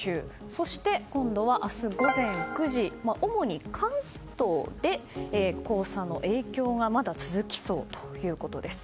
そして、今度は明日午前９時主に関東で黄砂の影響がまだ続きそうということです。